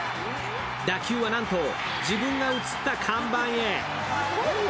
打球はなんと自分が写った看板へ。